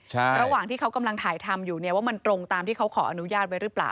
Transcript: ระหว่างที่เขากำลังถ่ายทำอยู่เนี่ยว่ามันตรงตามที่เขาขออนุญาตไว้หรือเปล่า